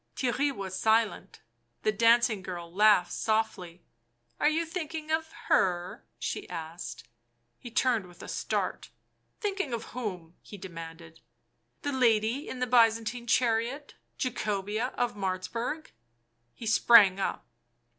Theirry was silent. The dancing girl laughed softly. " Are you thinking of — her ?" she asked. He turned with a start. " Thinking of whom?" he demanded. " The lady in the Byzantine chariot — Jacobea of Martzburg." He sprang up.